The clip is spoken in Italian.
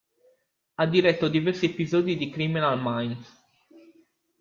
Ha diretto diversi episodi di "Criminal Minds".